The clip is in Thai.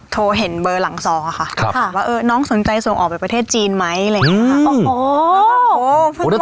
โทรเห็นเบอร์หลังซอค่ะว่าน้องสนใจส่งออกไปประเทศจีนไหมอะไรอย่างนี้ค่ะ